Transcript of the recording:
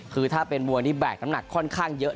คือถ้าเป็นมวยนี่แบกน้ำหนักค่อนข้างเยอะ